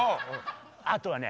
あとはね